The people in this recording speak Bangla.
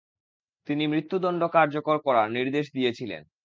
তিনি মৃত্যুদণ্ড কার্যকর করার নির্দেশ দিয়েছিলেন।